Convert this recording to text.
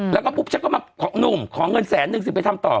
แล้วก็ปุ๊บฉันก็มาหนุ่มขอเงินแสนนึงสิไปทำต่อ